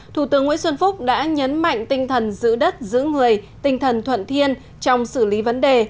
thủ tướng nguyễn xuân phúc đã nhấn mạnh tinh thần giữ đất giữ người tinh thần thuận thiên trong xử lý vấn đề